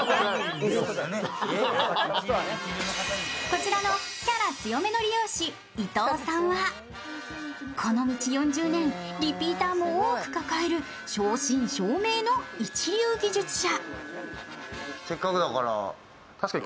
こちらのキャラ強めの理容師、伊藤さんはこの道４０年、リピーターも多く抱える正真正銘の一流技術者。